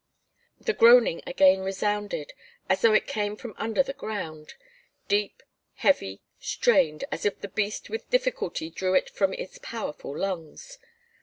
The groaning again resounded, as though it came from under the ground; deep, heavy, strained, as if the beast with difficulty drew it from its powerful lungs.